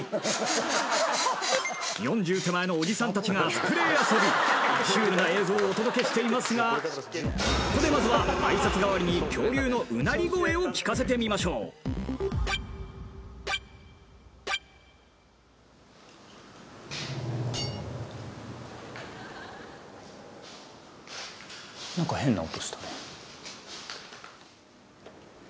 ４０手前のおじさんたちがスプレー遊びシュールな映像をお届けしていますがここでまずは挨拶がわりに恐竜のうなり声を聞かせてみましょう風かな